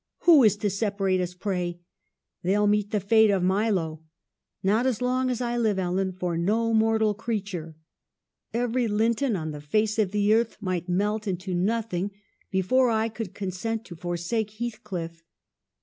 'Who is to separate us, pray! They'll meet the fate of Milo. Not as long as I live, Ellen ; for no mortal creature. Every Linton on the face of the earth might melt into nothing, before I could consent to forsake Heathcliff.